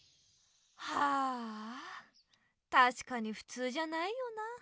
はぁたしかにふつうじゃないよな。